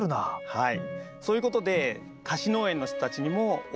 はい。